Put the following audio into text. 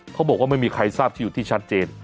เขาบอกว่าไม่มีใครทราบชื่อที่ชัดเจน